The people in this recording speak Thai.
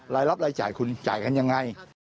รายรับรายจ่ายคุณจ่ายกันยังไง